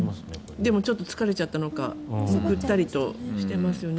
でもちょっと疲れちゃったのかぐったりとしてますね。